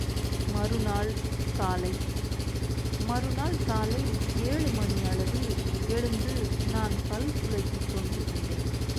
மறுநாள் காலை மறுநாள் காலை ஏழுமணி அளவில் எழுந்து நான் பல் துலக்கிக் கொண்டிருந்தேன்.